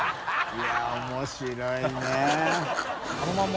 い面白いね。